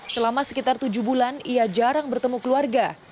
selama sekitar tujuh bulan ia jarang bertemu keluarga